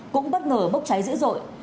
cũng bất ngờ bốc cháy dữ dội